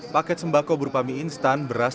paket sembako berupa mie instan beras